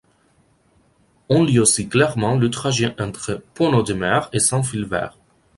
On lit aussi clairement le trajet entre Pont-Audemer et Saint-Philbert.